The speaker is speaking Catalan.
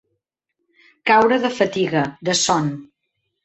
Caure de fatiga, de son.